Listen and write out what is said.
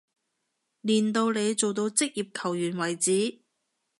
練到你做到職業球員為止